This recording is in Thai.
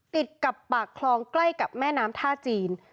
ติดกับปากคลองใกล้กับแม่น้ำท่าจีน